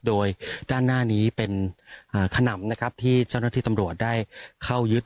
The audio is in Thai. โดยด้านหน้านี้เป็นขนำนะครับที่เจ้าหน้าที่ตำรวจได้เข้ายึด